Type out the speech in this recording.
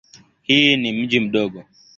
Hii ni mji mdogo.